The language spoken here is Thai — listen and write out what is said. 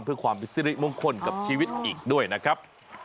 เพื่อความเป็นสิริมงคลกับชีวิตอีกด้วยนะครับ